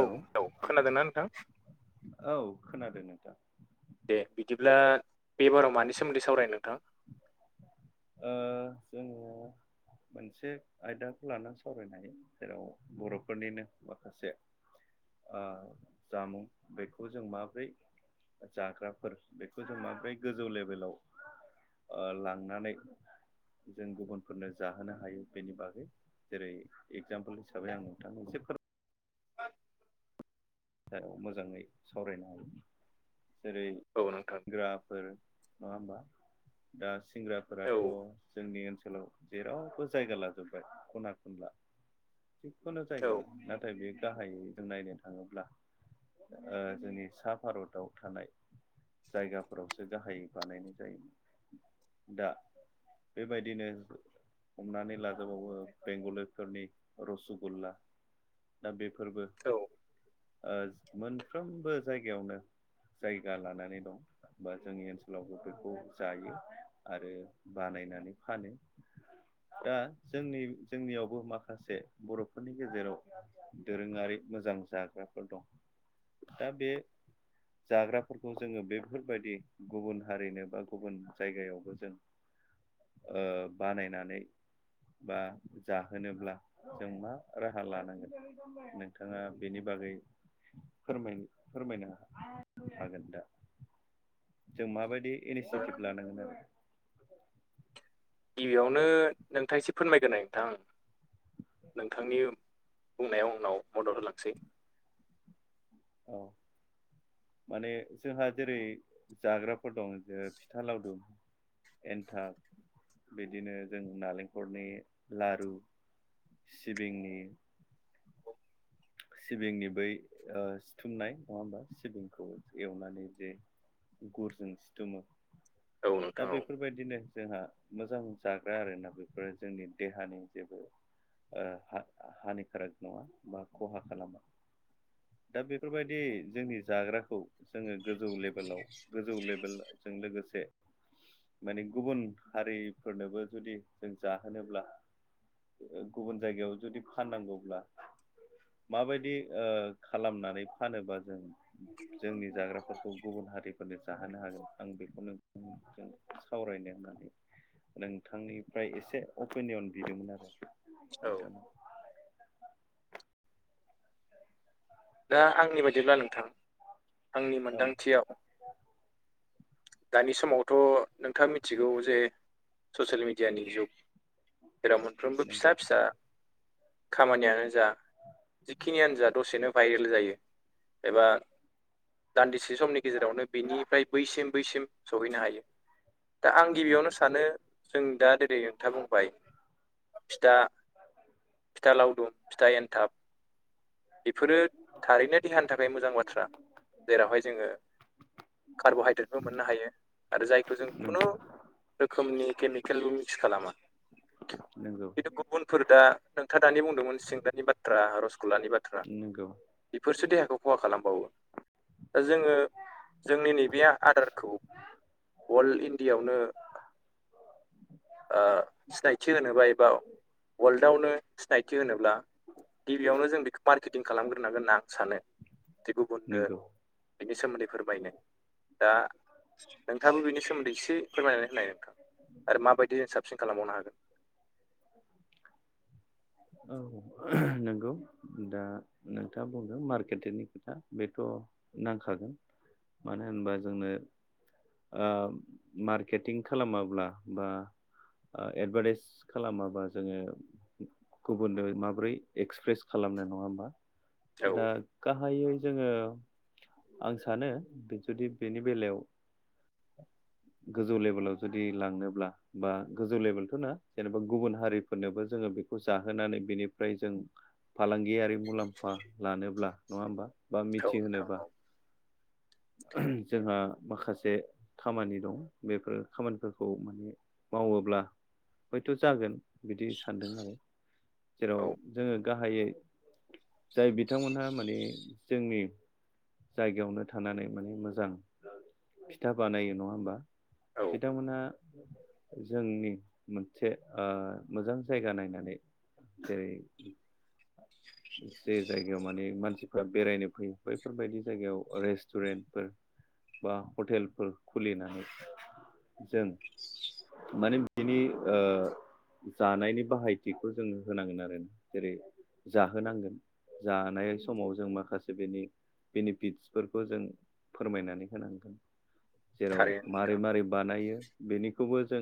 औ औ खोनादोंना नोंथां औ खोनादों नोंथां। दे बिदिब्ला बेबाराव मानि सोमोन्दै सावरायनो नोंथां? ओ जोङो मोनसे आयदाखौ लानानै सावरायनो हायो, जेराव बर'फोरनिनो माखासे ओ जामुं बेखौ जों माबोरै जाग्राफोर बेखौ जों माब्रै गोजौ लेभेलाव लांनानै जों गुबुनफोरनो जाहोनो हायो बेनि बागै, जेरै इगजाम्पोल हिसाबै आं नोंथांनो एसे फोर मोजाङै सावरायनो हायो, जेरै औ नोंथां। सिंग्राफोर नङा होमबा? दा औ सिंग्राफोराथ' जोंनि ओनसोलाव जेरावबो जायगा लाजोबबाय खना खनला। जिखुनु औ जायगायावनो नाथाय बे गाहायै जों नायनो थाङोब्ला ओ जोंनि सा भारताव थानाय जायगाफोरावसो गाहायै बानायनाय जायोमोन दा बेबायदिनो हमनानै लाजोबावो बेंगलिफोरनि रसगुल्ला दा बेफोरबो औ। ओ मोनफ्रोमबो जायगायावनो जायगा लानानै दं। बा जोंनि ओनसोलावबो बेखौ जायो आरो बानायनानै फानो। [inaudible] दा जोंनि जोंनियावबो माखासे बर'फोरनि गेजेराव दोरोङारि मोजां जाग्राफोर दं। दा बे जाग्राफोरखौ जोङो बेफोरबायदि गुबुन हारिनो बा गुबुन जायगायावबो जों [inaudible] ओ बानायनानै बा जाहोनोब्ला जों मा राहा लानांगोन नोंथाङा बेनि बागै फोरमाय फोरमायनो हागोन दा? जों माबायदि औ इनिसियेटिभ लानांगोन आरो गिबियावनो नोंथां एसे फोरमायगोलाय नोंथां। नोंथांनि बुंनाय उनाव मदद होलांसै। औ [inaudible] माने जोंहा जेरै जाग्राफोर दं जे फिथा लावदुम। एन्थाब बिदिनो जों नालेंखलनि लारु सिबिंनि सिबिंनि बै ओ सिथुमनाय नङा होमबा सिबिंखौ एवनानै जे गुरजों सिथुमो औ दा नोंथां औ बेफोरबायदिनो जोंहा मोजां जाग्रा आरोना बेफोरो जोंनि देहानि जेबो ओ हा हानिकाराग नङा बा खहा खालामा। दा बेफोरबायदि जोंनि जाग्राखौ जोङो गोजौ लेभेलाव गोजौ लेभेलजों लोगोसे माने गुबुन हारिफोरनोबो जुदि जों जाहोनोब्ला ओ गुबुन जायगायाव जुदि फाननांगौब्ला माबायदि ओ खालामनानै फानोबा जों जोंनि जाग्राफोरखौ गुबुन हारिफोरनो जाहोनो हागोन आं बेखौनो बुं गोन सावरायनो होननानै नोंथांनिफ्राय एसे अपिनियन बिदोंमोन आरो औ नोंथां दा आंनि बायदिब्ला नोंथां आंनि औ मोन्दांथियाव दानि समावथ' नोंथाङा मिथिगौ जे ससियेल मिडियानि जुग जेराव मोनफ्रोमबो नंगौ फिसा-फिसा खामानियानो जा जिखिनियानो जा दसेनो भाइरेल जायो। एबा दान्दिसे समनि गेजेरावनो बिनिफ्राय बैसिम बैसिम सहैनो हायो दा आं गिबियावनो नंगौ सानो जों दा दिनै नोंथा बुंबाय बिथा फिथा लावदुम फिथा एन्थाब बेफोरो थारैनो देहानि थाखाय मोजां बाथ्रा जेरावहाय जोङो कार्ब'हाइद्रेटबो मोननो हायो आरो जायखौ जों खुनु नंगौ रोखोमनि केमिकेलबो मिक्स खालामा। नंगौ खिन्थु गुबुनफोर दा नोंथाङा दानि बुंदोंमोन सिंग्रानि बाथ्रा रसगुल्लानि बाथ्रा नोंगौ एफोरसो देहाखौ खहा खालामबावो दा जोङो जोंनि नैबे आदारखौ अल इण्डियायावनो ओ सिनायथि होनोबा एबा वर्ल्डआवनो सिनायथि होनोब्ला गिबियावनो जों बेखौ मार्केटिं खालामग्रोनांगोन होनना आं सानो दि गुबुननो नंगौ बिनि सोमोन्दै फोरमायनो दा नोंथाङाबो बिनि सोमोन्दै एसे फोरमायनानै होनाय नोंथां आरो माबायदि जों साबसिन खालामबावनो हागोन औ ओहम नंगौ दा नोंथाङा बुंदों मार्केटिंनि खोथा बेथ' नांखागोन मानो होनबा जोंनो ओ मार्केटिं खालामाब्ला बा ओ एडभार्टाइस खालामाबा जोङो गुबुननो माबोरै एक्सप्रेस खालामनो नङा होमबा हागोन औ दा गाहायै जोङो आं सानो बे जुदि बेनि बेलायाव [inaudible] गोजौ लेभेलाव जुदि लांनोब्ला बा गोजौ लेभेलथ' नङा जेनेबा गुबुन हारिफोरनोबो जोङो बे खौ जाहोनानै बेनिफ्राय जों फालांगियारि मुलाम्फा लानोब्ला नङा होमबा बा औ नोंथां मिथिहोनोबा औ ओहम जोंहा माखासे खामानि दं बेफोर खामानिफोरखौ माने मावोब्ला हयथ' जागोन बिदि सानदों आरो जेराव औ जोङो गा हायै जाय बिथांमोनहा माने जोंनि जायगायावनो थानानै माने मोजां फिथा बानायो नङा होमबा औ बिथांमोनहा जोंनि मोनसे ओ मोजां जायगा नायनानै जेरै जे जायगायाव माने मानसिफ्रा बेरायनो फैयो बैफोरबायदि जायगायाव रेस्ट टुरेन्टफोर बा हटेलफोर खुलिनानै जों माने बिनि ओ जानायनि बाहायथिखौ जोंङो होनांगोन आरो जेरै जाहोनांगोन जानाय समाव जों माखासे बेनि बेनिफिट्सफोर [inaudible] जों फोरमायनानै होनांगोन जेराव थारैनो नोंथां मारै-मारै बानायो बेनिखौबो जों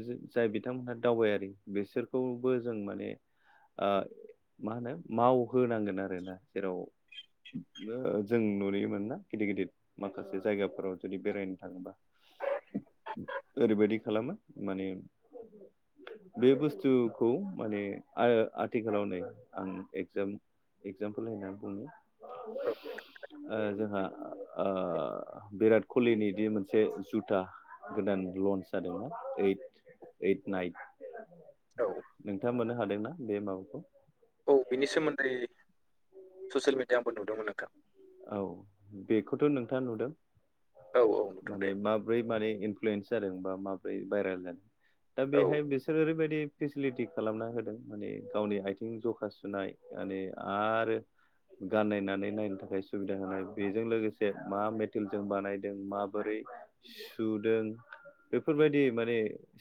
जाय बिथांमोनहा दावबायारि बिसोरखौबो जों माने ओ मा होनो मावहोनांगोन आरोोना जेराव जों नुयो मोना गिदिर गिदिर माखासे जायगाफोराव जुदि बेरायनो थाङोबा ओरैबायदि खालामो माने बे बुस्थुखौ माने आ आथिखालाव नै आं एक्जाम एगजामपोल होननानै बुंनो औ जोंहा ओ बिराट कलिनि दि मोनसे जुथा गोदान लन्स जादोंना ओइट ओइट नाइट औ नोंथाङा मोननो हादोंना बे माबाखौ औ बिनि सोमोन्दै ससियेल मिडियायाव आंबो नुदोंमोन नोंथां औ बेखौथ' नोंथाङा नुदों औ औ नुदों माने दे मा ब्रै मारै इनफ्लुयेन्स जादों बा माब्रै भाइरेल जादों दा औ बेहाय बेसोर ओरैबायदि फेसिलिटि खालामना होदों माने गावनि आथिं ज'खा सुनाय दानै आरो गाननायनानै नायनो थाखाय स सुबिदा होनाय बेजों लोगोसे मा मेटेल जों बानायदों माबोरै सुदों बेफोरबायदि माने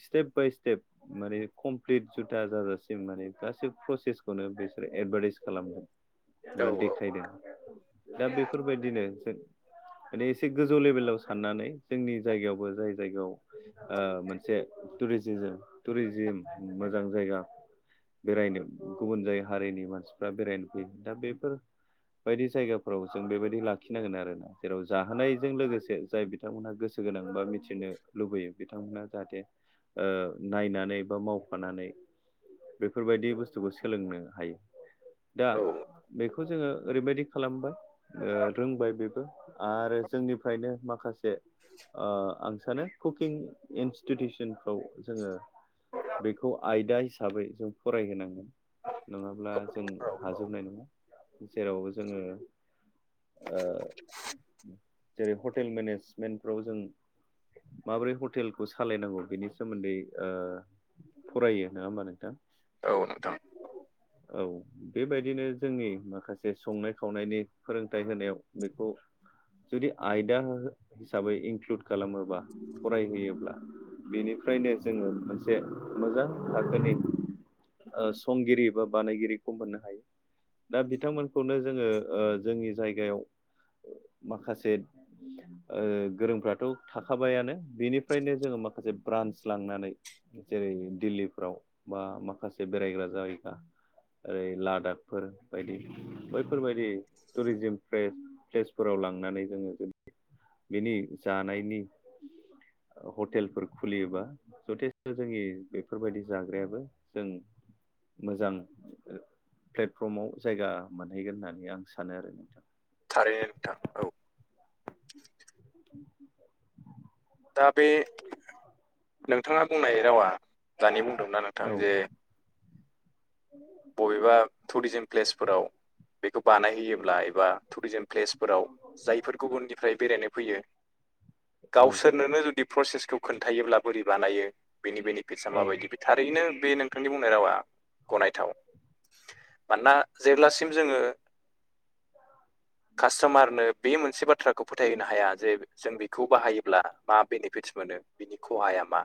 स्टेप बाय स्टेप माने कमप्लिट जुथा जाजासिम माने गासै प्रसेसखौनो बिसोर एदभार्टाइस खालामगोन [inaudible] बा देखायदों दा बेफोरबायदिनो जों माने एसे गोजौ लेभेलाव साननानै जोंनि जायगायावबो जाय जायगायाव ओ मोनसे टुरिजिजिम टुरिजिम मोजां जायगा बेरायनो गुबुन जाय हारिनि मानसिफ्रा बेरायनो फैयो दा बेफोर बायदि जायगा औ जों बेबायदि लाखिनांगोन आरोना जेराव जाहोनायजों लोगोसे जाय बिथांमोनहा गोसो गोनां बा मिथिनो लुबैयो बिथांमोनहा जाहाथे ओ नायनानै बा मावफानानै बेफोरबायदि बुस्थुखौ सोलोंनो हायो दा औ बेखौ जोङो ओरैबायदि खालामबाय रोंबाय बेबो आरो जोंनिफ्रायनो माखासे ओ आं सानो कुकिं इन्स्टिटिउसनफ्राव जोङो बेखौ आयदा हिसाबै जों फरायहोनांगोन नङाब्ला जों औ हाजोबनाय नङा जेराव जोङो ओ जेरै हटेल मेनेजमेन्टफ्राव जों माबोरै हटेलखौ सालायनांगौ बेनि सोमोन्दै ओ फरायो नङा होमबा नोंथां औ नोंथां औ बेबायदिनो जोंनि माखासे संनाय खावनायनि फोरोंथाइ होनायाव बेखौ जुदि आयदा हिसाबै इनक्लुड खालामोबा फरायहोयोब्ला बेनिफ्रायनो जोङो मोनसे मोजां थाखोनि ओ संगिरि बा बानायगिरि खम मोननो हायो दा बिथांमोनखौनो जोङो ओ जोंनि जायगायाव माखासे ओ गोरोंफ्राथ' थाखाबायानो बेनिफ्रायनो जोङो माखासे ब्रान्स लांनानै जेरै दिल्लीफ्राव बा माखासे बेरायग्रा जायगा ओरै लादाखफोर बायदि बैफोरबायदि टुरिजिम प्ले-प्लेसफोराव लांनानै जोङो जुदि बेनि जानायनि हटेलफोर खुलियोबा जथेस्थ' जोंनि बेफोरबायदि जाग्रायाबो जों मोजां प्लेटफर्माव जायगा मोनहैगोन होननानै आं सानो आरो नोंथां थारैनो नोंथां औ दा बे नोंथाङा बुंनाय रावा दानि बुंदोंना नोंथां औ जे बबेबा टुरिजिम प्लेसफोराव बेखौ बानायहोयोब्ला बा टुरिजिम प्लेसफोराव जायफोर गुबुननिफ्राय बेरायनो फैयो औ गावसोरनोनो जुदि प्रसेसखौ खोन्थायोब्ला बोरै बानायो बेनि बेनिफिटसाआ औ माबायदि बे थारैनो बे नोंथांनि बुंनाय रावा गनायथाव मानोना जेब्लासिम जोङो कास्ट'मारनो बे मोनसे बाथ्राखौ फोथायहो हाया जे जों बेखौ बाहायोब्ला मा बेनिफिटस मोनो बिनि खहाया मा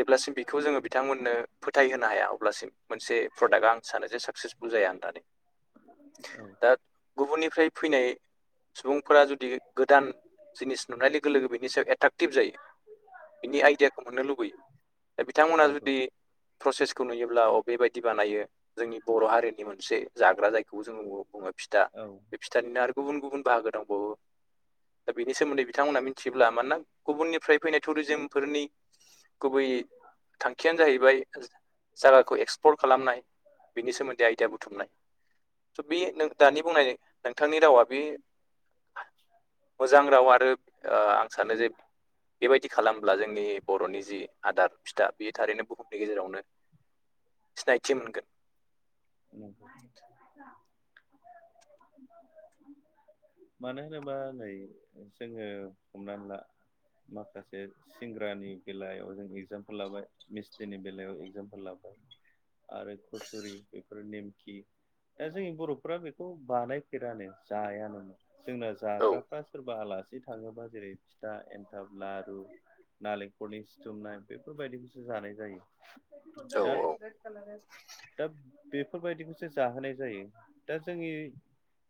जेब्लासिम बेखौ जोङो बिथांमोननो फोथाय होनो हाया अब्लासिम मोनसे प्रडाक्टआ आं सानो जे साकसेसफुल जाया होननानै औ दा गुबुननिफ्राय फैनाय सुबुंफोरा जुदि गोदान जिनिस नुनाय लोगो लोगो बेनि सायाव एट्राकटिभ जायो बिनि आइडियाखौ मोननो लुबैयो दा बिथांमोना नंगौ जुदि प्रसेसखौ नुयोब्ला अ बेबायदि बिदि बानायो जोंनि बर' हारिनि मोनसे जाग्रा जायखौबो जोङो बुङो फिथा औ फिथानिनो आरो गुबुन गुबुन बाहागो दंबावो दा बेनि सोमोन्दै बिथांमोना मिथियोब्ला मानोना गुबुननिफ्राय फैनाय टुरिजिमफोरनि गुबै थांखियानो जाहैबाय जायगाखौ एक्सप्लर खालामनाय बिनि सोमोन्दै आइडिया बुथुमनाय स' बे दानि बुंनाय नोंथांनि रावा बे मोजां राव आरो ओ आं सानो जे बेबायदि खालामब्ला जोंनि बर'नि जि आदार फिथा बेयो थारैनो बुहुमनि गेजेरावनो सिनायथि मोनगोन [inaudible] [inaudible] मानो होनोबा नै जोङो हमनानै ला माखासे सिंग्रानि बेलायाव जों एगजामपोल लाबाय मिस्तिनि बेलायाव एगजामपोल लाबाय आरो खसुरि बेफोर नेमखि दा जोंनि बर'फ्रा बेखौ बानायफेरानो जाया नोमोन जोंना औ जाग्राफ्रा सोरबा आलासि थाङोबा जेरै फिथा एन्थाब लारु नालेंखलनि सिथुमनाय बेफोरबायदिखौसो जानाय जायो औ [unintelligible] बेफोरबायदिखौसो जाहोनाय जायो दा जोंनि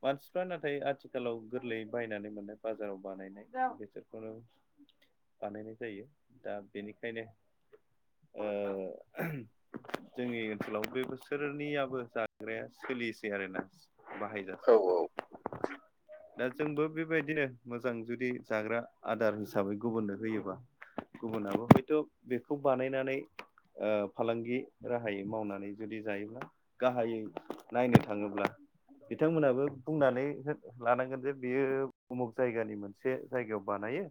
मानसिफ्रा नाथाय आथिखालाव गोरलैयै बायनानै मोननाय बाजाराव बानायनाय बेसोरखौनो बानायनाय जायो दा बेनिखायनो ओ जोंनि ओनसोलाव बे बुसु सोरनियाबो जाग्राया सोलिसै आरोना औ बाहायजासै दा जोंबो बेबायदिनो मोजां जुदि जाग्रा आदार हिसाबै गुबुननो होयोबा गुबुनाबो हयथ' बेखौ बानायनानै ओ फालांगि राहायै मावनानै जुदि जायोब्ला गाहायै नायनो थाङोब्ला बिथांमोनाबो बुंनानै हो लानांगोन जे बियो उमुग जायगानि मोनसे जायगायाव बानायो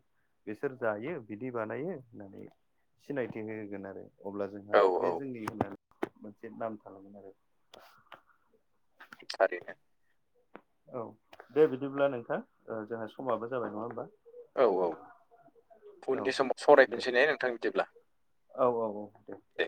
बिसोर जायो बिदि बानायो होननानै सिनायथि होगोन आरो अब्ला जोंहा औ बे औ जोंनि होननानै मोनसे नाम थालांगोन आरो थारैनोे औ दे बिदिब्ला नोंथां ओ जोंहा समाबो जाबाय नङा होमबा? औ औ औ उननि समाव दे सावरायफिनसै ने नोंथां बिदिब्ला औ औ औ दे दे